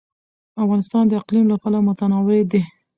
افغانستان د اقلیم له پلوه متنوع دی.